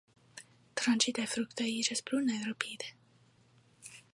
Tranĉitaj fruktoj iĝas brunaj rapide.